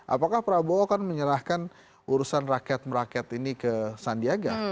apakah prabowo akan menyerahkan urusan rakyat merakyat ini ke sandiaga